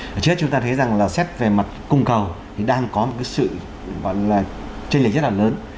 trước đó chúng ta thấy rằng là xét về mặt cung cầu thì đang có một sự chênh lệch rất là lớn